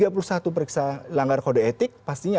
tiga puluh satu periksa langgar kode etik pastinya